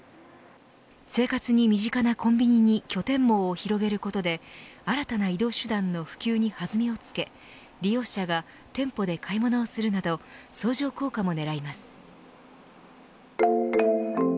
生活に身近なコンビニに拠点網を広げることで新たな移動手段の普及に弾みをつけ利用者が店舗で買い物をするなど相乗効果も狙います。